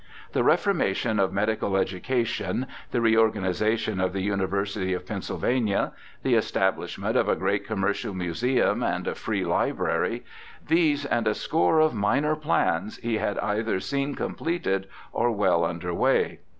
The reformation of medical education, the reorganization of the University of Pennsylvania, the establishment of a great Com mercial Museum and a Free Library— these and a score of minor plans he had either seen completed or well under way.